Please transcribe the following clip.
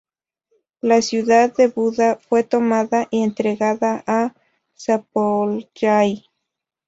La ciudad de Buda fue tomada y entregada a Szapolyai.